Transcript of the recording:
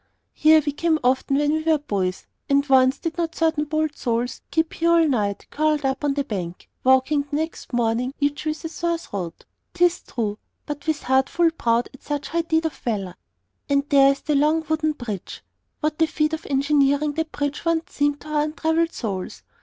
Here we came often, when we were boys; and once did not certain bold souls sleep here all night, curled up along the bank, waking the next morning, each with a sore throat, 'tis true, but with heart full proud at such high deed of valor! And there is the long wooden bridge. What a feat of engineering that bridge once seemed to our untraveled souls!